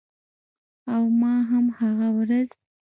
او ما هم هغه ورځ